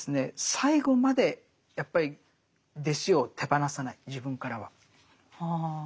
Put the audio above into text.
最後までやっぱり弟子を手放さない自分からは。